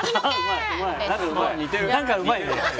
何かうまいね。